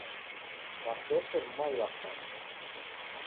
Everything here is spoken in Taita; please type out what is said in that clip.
Wakesho ni mwai wa kidaw'ida.